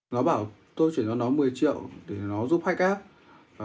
nó bảo tôi chuyển cho nó một mươi triệu để nó giúp hách app